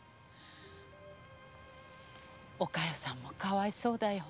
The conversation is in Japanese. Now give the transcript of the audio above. お加代さんもかわいそうだよ。